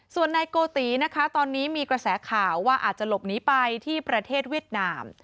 ส่วนนายโกตินะคะตอนนี้มีกระแสข่าวว่าอาจจะหลบหนีไปที่ประเทศเวียดนาม